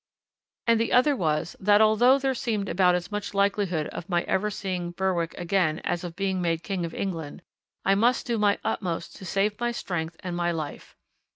And the other was, that although there seemed about as much likelihood of my ever seeing Berwick again as of being made King of England, I must do my utmost to save my strength and my life.